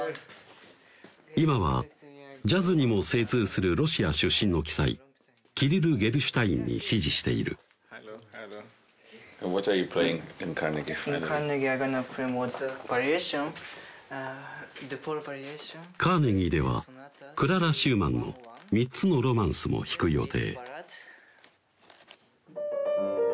今はジャズにも精通するロシア出身の奇才キリル・ゲルシュタインに師事しているカーネギーではクララ・シューマンの「３つのロマンス」も弾く予定